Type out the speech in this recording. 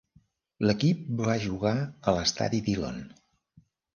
L'equip va jugar a l'estadi Dillon.